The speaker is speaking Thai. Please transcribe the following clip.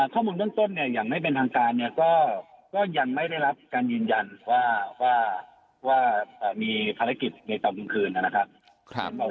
ข้อมูลต้นก็ยังไม่ได้รับการยืนยันว่ามีภารกิจในเตาตรงคืนนะครับ